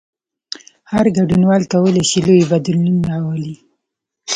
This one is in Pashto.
هر ګډونوال کولای شي لوی بدلون راولي.